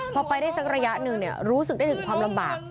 พอไปได้สักระยะหนึ่งรู้สึกได้ถึงความลำบาก